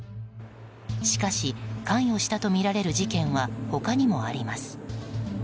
しかし関与したとみられる事件は他にもあります。